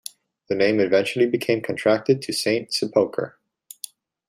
The name eventually became contracted to Saint Sepulchre.